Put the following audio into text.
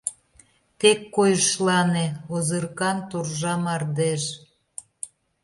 Тек койышлане, озыркан торжа мардеж.